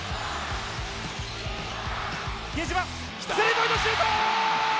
比江島、スリーポイントシュート！